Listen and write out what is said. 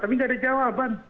tapi nggak ada jawaban